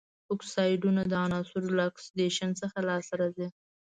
اکسایډونه د عنصرونو له اکسیدیشن څخه لاسته راځي.